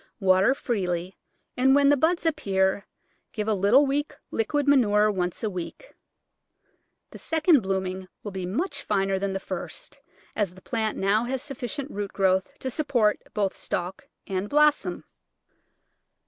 Water freely, and when the buds appear give a little weak liquid manure once a week. The second blooming will be much finer than the first, as the plant has now sufficient root growth to support both stalk and blossom.